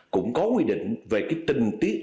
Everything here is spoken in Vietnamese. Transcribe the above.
cũng có quy định về cái tình tiết